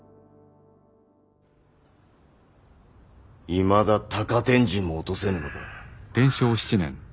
いまだ高天神も落とせぬのか。